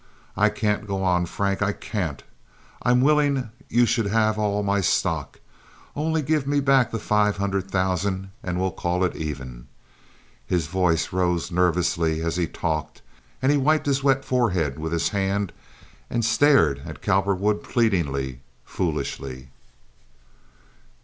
I can't go on, Frank. I can't! I'm willing you should have all my stock. Only give me back that five hundred thousand, and we'll call it even." His voice rose nervously as he talked, and he wiped his wet forehead with his hand and stared at Cowperwood pleadingly, foolishly.